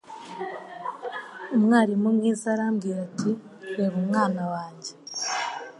Umwarimu mwiza arambwira ati Reba mwana wanjye